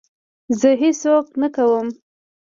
زه هېڅ څوک نه کوم.